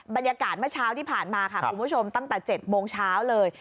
บรรยากาศเมื่อเช้าที่ผ่านมาค่ะคุณผู้ชมตั้งแต่๗โมงเช้าเลย